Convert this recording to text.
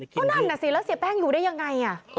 ก็นั่นน่ะสิแล้วเสียแป้งอยู่ได้ยังไง